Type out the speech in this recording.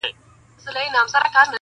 خو حقيقت نه بدل کيږي تل-